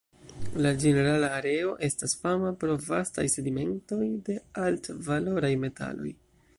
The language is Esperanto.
La ĝenerala areo estas fama pro vastaj sedimentoj de altvaloraj metaloj.